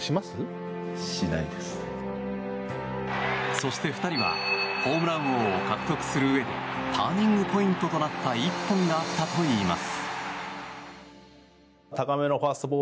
そして２人はホームラン王を獲得するうえでターニングポイントとなった１本があったといいます。